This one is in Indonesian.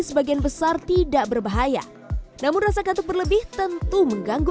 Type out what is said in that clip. sebagian besar tidak berbahaya namun rasa katuk berlebih tentu mengganggu